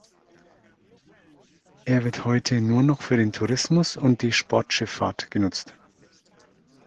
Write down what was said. Er wird heute nur noch für den Tourismus und die Sportschifffahrt genutzt.